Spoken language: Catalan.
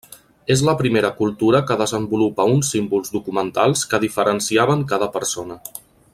És la primera cultura que desenvolupa uns símbols documentals que diferenciaven cada persona.